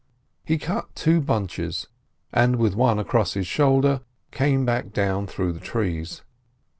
He cut two bunches, and with one across his shoulder came back down through the trees.